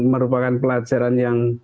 merupakan pelajaran yang